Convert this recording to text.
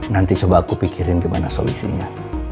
nanti coba aku pikirin gimana solusinya